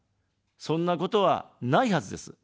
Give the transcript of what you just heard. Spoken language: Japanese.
そんなことはないはずです。